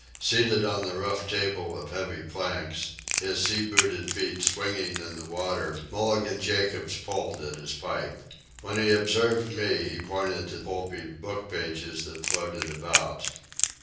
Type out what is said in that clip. Seated on the rough table of heavy planks, his sea booted feet swinging in the water, Mulligan Jacobs pulled at his pipe. When he observed me he pointed to pulpy book pages that floated about.